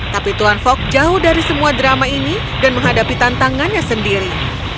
tapi tuan fok jauh dari semua drama ini dan menghadapi tantangannya sendiri